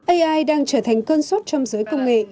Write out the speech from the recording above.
ai đang trở thành cơn sốt trong giới công nghệ